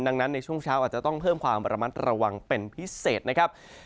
ดังนั้นในช่วงเช้าอาจจะต้องเพิ่มความระมัดระวังเป็นพิเศษนะครับ